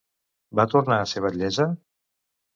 Va tornar a ser batllessa?